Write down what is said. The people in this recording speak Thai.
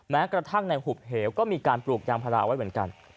แม้กระทั่งในหุบเหวก็มีการปลูกยางภาระ